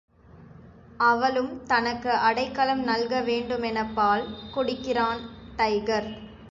அவளும் தனக்கு அடைக்கலம் நல்க வேண்டுமென மனப்பால் குடிக்கிறான் டைகர்.